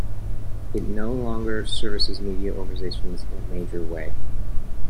It no longer services media organizations in a major way.